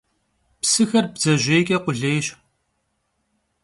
Psıxer bdzejêyç'e khulêyş.